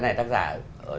đã chụp được